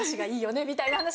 みたいな話で。